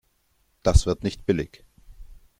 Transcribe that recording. Das wird nicht billig.